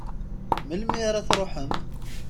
Melmi ara truḥem?